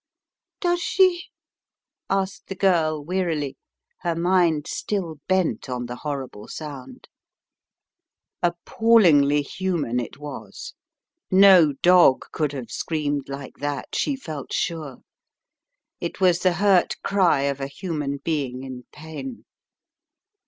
"Does she?" asked the girl wearily, her mind still bent on the horrible sound. Appallingly human it was; no dog could have screamed like that, she felt sure. It was the hurt cry of a human being in pain.